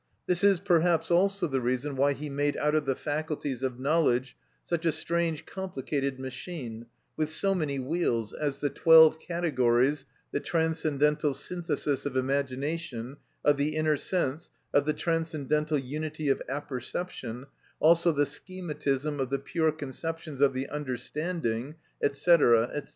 This is perhaps also the reason why he made out of the faculties of knowledge such a strange complicated machine, with so many wheels, as the twelve categories, the transcendental synthesis of imagination, of the inner sense, of the transcendental unity of apperception, also the schematism of the pure conceptions of the understanding, &c., &c.